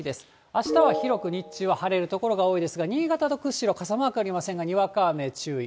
あしたは広く日中は晴れる所が多いですが、新潟と釧路、傘マークありませんが、お天気注意。